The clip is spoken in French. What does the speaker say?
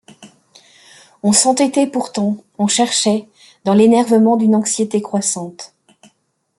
On s’entêtait pourtant, on cherchait, dans l’énervement d’une anxiété croissante.